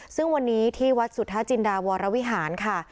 ซึ่งวันนี้ที่วัดสุทธาจินดาวรวิหารค่ะ